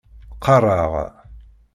Qqaṛeɣ.